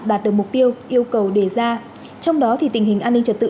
đạt được mục tiêu yêu cầu đề ra trong đó thì tình hình an ninh trật tự